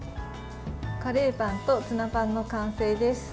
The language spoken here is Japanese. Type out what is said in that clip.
カレーパンとツナパンの完成です。